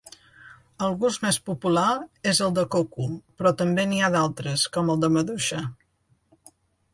El gust més popular és el de coco però també n'hi ha d'altres, com el de maduixa.